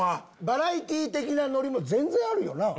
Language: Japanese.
バラエティー的なノリも全然あるよ